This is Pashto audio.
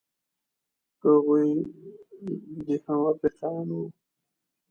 هغوی هم افریقایان وو.